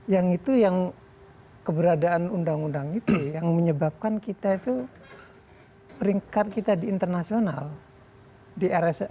yang itu yang keberadaan undang undang itu yang menyebabkan kita itu peringkat kita di internasional